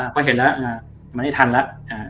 ก็เห็นแล้วมันไม่ทันแล้ว